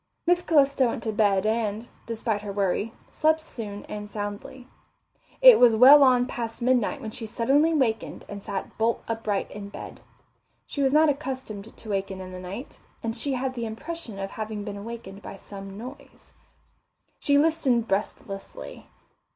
Miss Calista went to bed and, despite her worry, slept soon and soundly. It was well on past midnight when she suddenly wakened and sat bolt upright in bed. She was not accustomed to waken in the night, and she had the impression of having been awakened by some noise. She listened breathlessly.